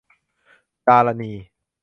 ดารณี